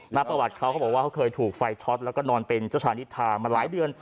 ประวัติเขาก็บอกว่าเขาเคยถูกไฟช็อตแล้วก็นอนเป็นเจ้าชายนิทามาหลายเดือน